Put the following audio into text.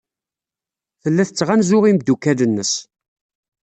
Tella tettɣanzu imeddukal-nnes.